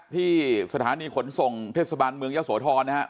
ที่สถานีขนส่งเทศบาลเมืองยะโสธรนะฮะ